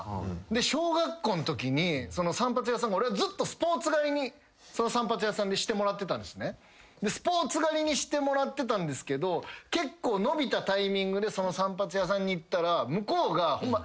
で小学校のときに俺はずっとスポーツ刈りにその散髪屋さんでしてもらってたんですね。スポーツ刈りにしてもらってたんですけど結構伸びたタイミングでその散髪屋さんに行ったら向こうがご厚意でですよ？